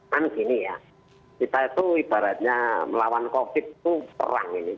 kan gini ya kita itu ibaratnya melawan covid itu perang ini